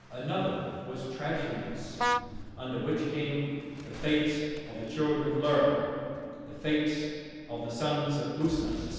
Another was 'Tragedies,' under which came "The Fate of the Children of Lir," "The Fate of the Sons of Usna," etc.